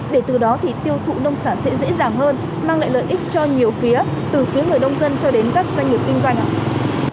để từ đó thì tiêu thụ nông sản sẽ dễ dàng hơn mang lại lợi ích cho nhiều phía từ phía người nông dân cho đến các doanh nghiệp kinh doanh